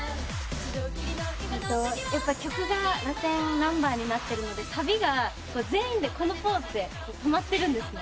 曲がラテンナンバーになってるのでサビが全員でこのポーズで止まってるんですね。